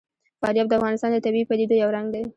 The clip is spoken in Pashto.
فاریاب د افغانستان د طبیعي پدیدو یو رنګ دی.